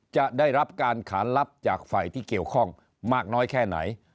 จะได้รับการขานรับจากฝ่ายที่เกี่ยวข้องมากน้อยแค่ไหน